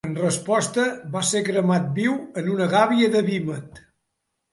En resposta, va ser cremat viu en una gàbia de vímet.